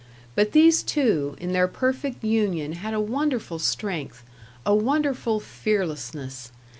But these two in their perfect union had a wonderful strength a wonderful fearlessness.